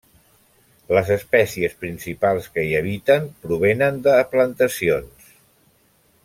Les espècies principals que hi habiten provenen de plantacions.